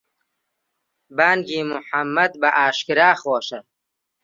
بانگی موحەممەد بەئاشکرا خۆشە.